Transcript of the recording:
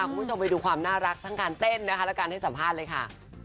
คุณคุณสยองไปต้องมีความน่ารักทั้งการเต้นแล้วการให้สัมภาษณ์เลยค่ะ